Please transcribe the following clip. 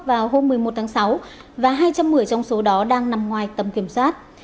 vào hôm một mươi một tháng sáu và hai trăm một mươi trong số đó đang nằm ngoài tầm kiểm soát